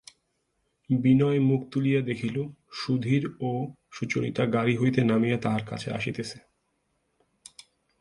বিনয় মুখ তুলিয়া দেখিল, সুধীর ও সুচরিতা গাড়ি হইতে নামিয়া তাহার কাছে আসিতেছে।